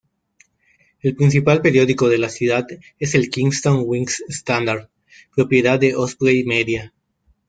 El principal periódico de la ciudad es el "Kingston Whig-Standard", propiedad de Osprey Media.